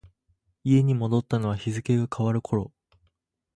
家に戻ったのは日付が変わる頃。